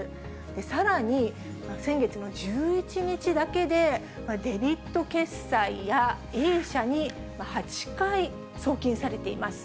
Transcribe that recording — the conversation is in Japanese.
さらに、先月の１１日だけで、デビット決済やＡ社に８回送金されています。